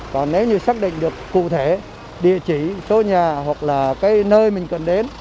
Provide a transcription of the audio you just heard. còn nếu như xác định được cụ thể địa chỉ số nhà hoặc là cái nơi mình cần đến